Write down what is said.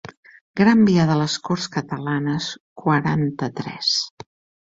Gran via de les Corts Catalanes quaranta-tres.